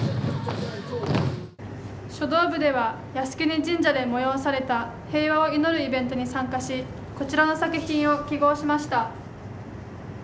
書道部では、靖国神社で催された平和を祈るイベントに参加しこちらの作品を揮ごうしました。